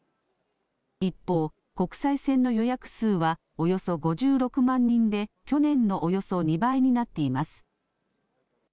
一方、国際線の予約数はおよそ５６万人で、去年のおよそ２倍になっています。